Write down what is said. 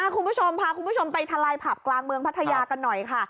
คุณผู้ชมพาคุณผู้ชมไปทลายผับกลางเมืองพัทยากันหน่อยค่ะ